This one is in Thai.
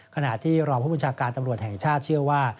ขณะที่รองผู้บัญชาการตำรวจแห่งชาติเชื่อว่า